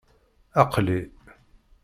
Aql-i!